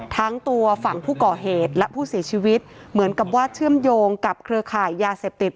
ทั้งตัวฝั่งผู้ก่อเหตุและผู้เสียชีวิตเหมือนกับว่าเชื่อมโยงกับเครือข่ายยาเสพติด